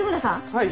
はい。